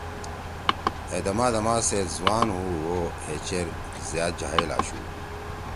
ہے دما دما سیأت زوان ہُو او ہے چیر زیاد جاہل آشُو۔